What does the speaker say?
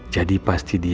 jadi pasti dia yang